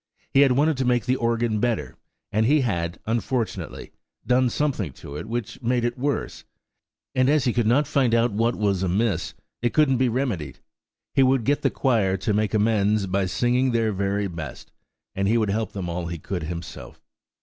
He had wanted to make the organ better, and he had, unfortunately, done something to it which had made it worse; and as he could not find out what was amiss, it couldn't be remedied. He would get the choir to make amends by singing their very best, and he would help them all he could himself.